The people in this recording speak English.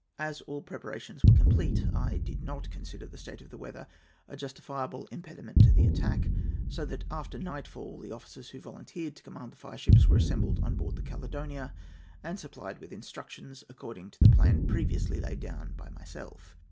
As all preparations were complete, I did not consider the state of the weather a justifiable impediment to the attack; so that, after nightfall, the officers who volunteered to command the fireships were assembled on board the Caledonia, and supplied with instructions according to the plan previously laid down by myself.